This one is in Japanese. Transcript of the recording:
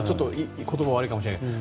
言葉は悪いかもしれないけど。